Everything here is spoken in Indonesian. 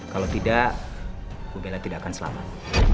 kalau tidak bu bella tidak akan selamat